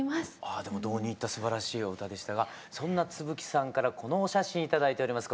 ああでも堂に入ったすばらしいお歌でしたがそんな津吹さんからこのお写真頂いております。